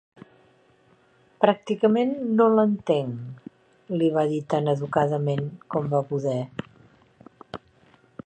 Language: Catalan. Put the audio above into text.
"Pràcticament no l'entenc", li va dir tan educadament com va poder.